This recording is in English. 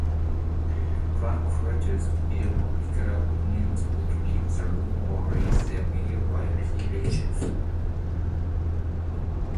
Frankfurter's ideological opponents would leave the room or read their mail while he lectured.